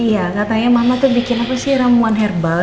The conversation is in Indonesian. iya katanya mama tuh bikin apa sih ramuan herbal